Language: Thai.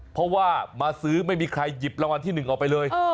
เพราะว่ามาซื้อไม่มีใครหยิบรางวัลที่๑ออกไปเลย